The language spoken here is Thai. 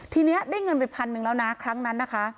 ทีนี้ได้เงินไปพันหนึ่งแล้วนะครั้งนั้นนะคะ